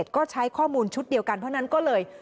ก็ใช้ข้อมูลชุดเดียวกันเพราะฉะนั้นก็เลย